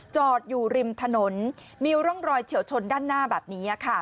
จอดอยู่ริมถนนมีร่องรอยเฉียวชนด้านหน้าแบบนี้ค่ะ